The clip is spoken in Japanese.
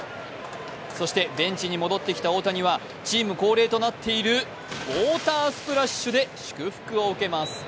そしてベンチに戻ってきた大谷はチーム恒例となっているウォータースプラッシュで祝福を受けます。